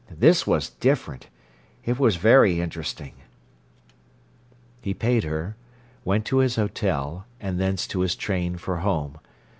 "This was different It was very interesting." He paid her, went to his hotel, and thence to his train for home.